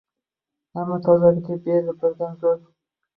Hamma tozalikka berdi birdan zo’r